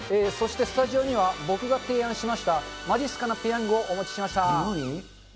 そして、スタジオには僕が提案しましたまじっすかなペヤングをお持ちしました。